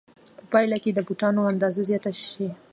په پایله کې به د بوټانو اندازه زیاته شي